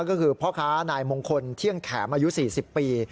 ก็คือพ่อค้านายมงคลเที่ยงแข็มอายุ๔๐ปี